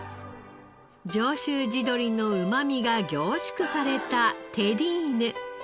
上州地鶏のうまみが凝縮されたテリーヌ。